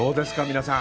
皆さん。